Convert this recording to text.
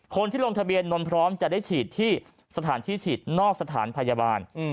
คนที่ลงทะเบียนนพร้อมจะได้ฉีดที่สถานที่ฉีดนอกสถานพยาบาล